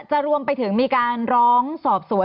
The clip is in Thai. รวมไปถึงมีการร้องสอบสวน